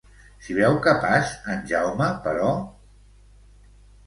S'hi veu capaç en Jaume, però?